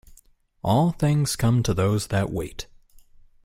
All things come to those that wait.